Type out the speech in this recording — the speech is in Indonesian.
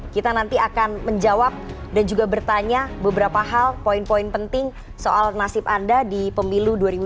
kita nanti akan menjawab dan juga bertanya beberapa hal poin poin penting soal nasib anda di pemilu dua ribu dua puluh